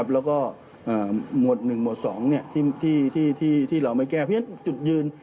แล้วก็หมวดหนึ่งหมวดสองที่เราไม่แก้เพียงจุดยืน